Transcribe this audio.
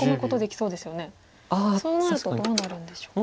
そうなるとどうなるんでしょう？